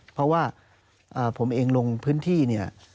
เพราะว่าผมเองลงพื้นที่